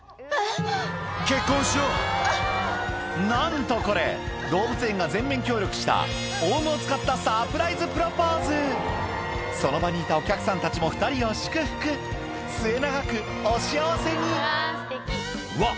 なんとこれ動物園が全面協力したオウムを使ったその場にいたお客さんたちも２人を祝福末永くお幸せにわっ